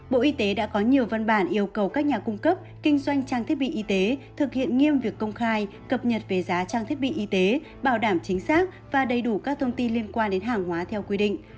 bộ y tế đã có nhiều văn bản yêu cầu các nhà cung cấp kinh doanh trang thiết bị y tế thực hiện nghiêm việc công khai cập nhật về giá trang thiết bị y tế bảo đảm chính xác và đầy đủ các thông tin liên quan đến hàng hóa theo quy định